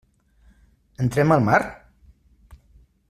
Entrem al mar?